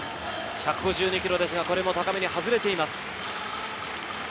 １５２キロですが、これも高めに外れています。